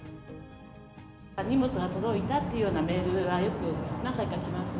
荷物が届いたっていうようなメールはよく、何回か来ます。